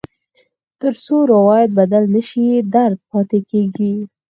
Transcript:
تر څو روایت بدل نه شي، درد پاتې کېږي.